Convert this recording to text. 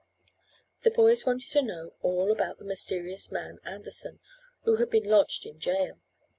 The boys wanted to know all about the mysterious man Anderson, who had been lodged in jail.